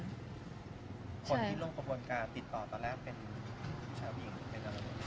คนที่ลงควบควรการณ์ติดต่อตอนแรกเป็นผู้ชาวหญิงเป็นอะไร